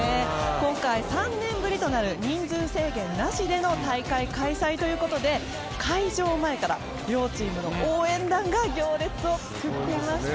今回、３年ぶりとなる人数制限なしでの大会開催ということで開場前から両チームの応援団が行列を作っていました。